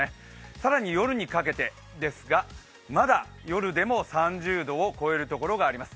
更に夜にかけてですが、まだ夜でも３０度を超える所があります。